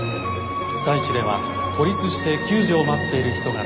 被災地では孤立して救助を待っている人が多数います。